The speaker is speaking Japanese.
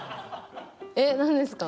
えっ何ですか？